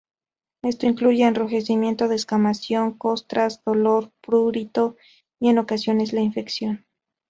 Esto incluye enrojecimiento, descamación, costras, dolor, prurito, y en ocasiones la infección.